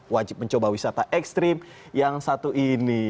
wajib mencoba wisata ekstrim yang satu ini